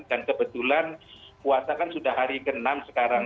kebetulan puasa kan sudah hari ke enam sekarang